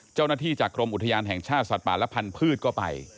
เจ้าหน้าที่จากกรมอุทยานแห่งชาติสัตว์ป่าและพันธุ์ก็ไป